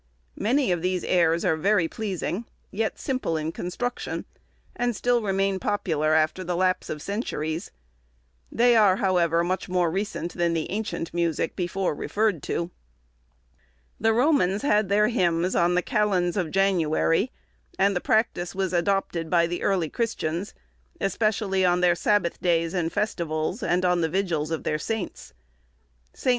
Many of these airs are very pleasing, yet simple in construction, and still remain popular after the lapse of centuries; they are, however, much more recent than the ancient music before referred to. The Romans had their hymns on the calends of January, and the practice was adopted by the early Christians, especially on their Sabbath days and festivals, and on the vigils of their saints. St.